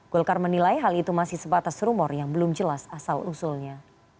golkar menilai hal itu masih sebatas rumor yang belum jelas asal usulnya